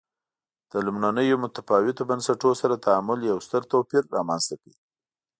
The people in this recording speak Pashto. له لومړنیو متفاوتو بنسټونو سره تعامل یو ستر توپیر رامنځته کړ.